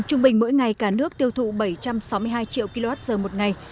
trung bình mỗi ngày cả nước tiêu thụ bảy trăm sáu mươi hai triệu kwh một ngày